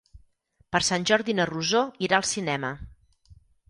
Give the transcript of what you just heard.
Per Sant Jordi na Rosó irà al cinema.